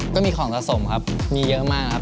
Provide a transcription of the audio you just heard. ก็มีของสะสมครับมีเยอะมากครับ